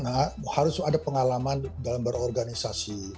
karena harus ada pengalaman dalam berorganisasi